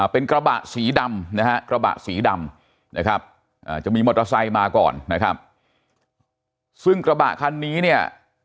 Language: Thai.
เป็นกระบะสีดำนะฮะกระบะสีดำนะครับจะมีมอเตอร์ไซค์มาก่อนนะครับซึ่งกระบะคันนี้เนี่ย